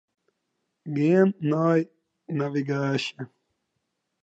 Gean nei navigaasje.